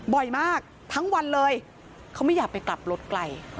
บ่อยมากทั้งวันเลยเขาไม่อยากไปกลับรถไกล